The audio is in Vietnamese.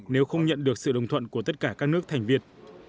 nếu không nhận được sự đồng thuận của tất cả các nước thành viên